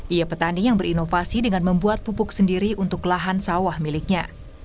ia petani yang berinovasi dengan membuat pupuk sendiri untuk lahan sawah miliknya